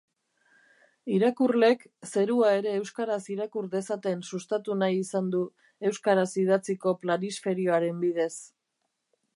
Irakurleek zerua ere euskaraz irakur dezaten sustatu nahi izan du euskaraz idatziko planisferioaren bidez.